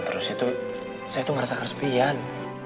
terus itu saya tuh ngerasa kerespian